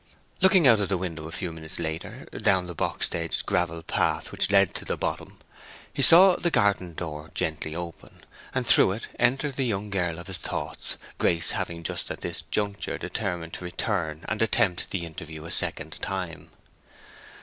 Looking out of the window a few minutes later, down the box edged gravel path which led to the bottom, he saw the garden door gently open, and through it enter the young girl of his thoughts, Grace having just at this juncture determined to return and attempt the interview a second time.